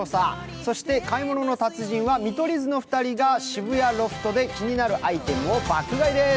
そして「買い物の達人」は見取り図の２人が渋谷ロフトで気になるアイテムを爆買いです。